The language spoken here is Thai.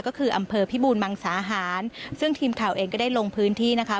ก็คืออำเภอพิบูรมังสาหารซึ่งทีมข่าวเองก็ได้ลงพื้นที่นะคะ